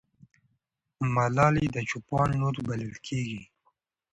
ملالۍ د چوپان لور بلل کېږي.